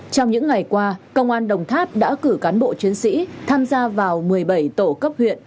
trong những ngày qua công an đồng tháp đã cử cán bộ chiến sĩ tham gia vào một mươi bảy tổ cấp huyện